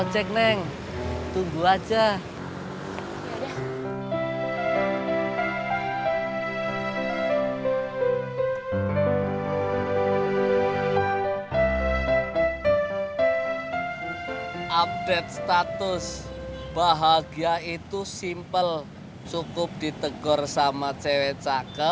tukang ngojek disini pada kemana ya